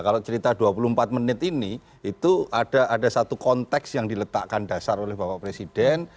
kalau cerita dua puluh empat menit ini itu ada satu konteks yang diletakkan dasar oleh bapak presiden